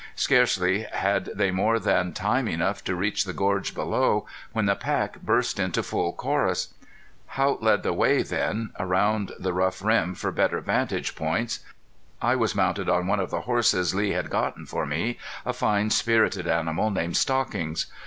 Scarcely had they more than time enough to reach the gorge below when the pack burst into full chorus. Haught led the way then around the rough rim for better vantage points. I was mounted on one of the horses Lee had gotten for me a fine, spirited animal named Stockings.